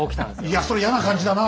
いやそれ嫌な感じだな。